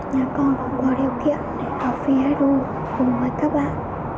nhà con có điều kiện để học phi hài đô cùng với các bạn